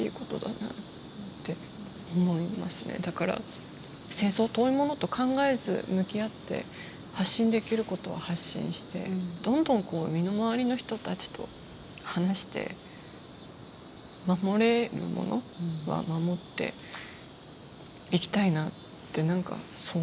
だから戦争を遠いものと考えず向き合って発信できることは発信してどんどん身の回りの人たちと話して守れるものは守っていきたいなって何かそう思いました。